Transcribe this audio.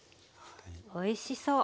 おいしそう。